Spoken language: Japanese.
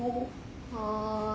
はい。